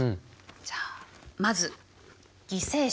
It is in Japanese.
じゃあまず犠牲者。